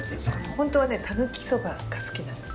ホントはねたぬき蕎麦が好きなんです。